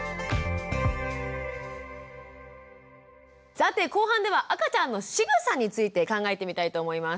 さて後半では赤ちゃんの「しぐさ」について考えてみたいと思います。